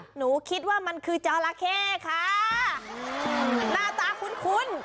หนูคิดว่ามันคือจราเข้ค่ะหน้าตาคุ้นคุ้น